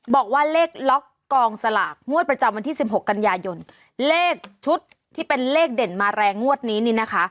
บอกว่าเลขล็อกกองสลากงวดประจำวันที่สิบหกกันยายนเลขชุดที่เป็นเลขเด่นมาแรงงวดนี้นี่นะคะ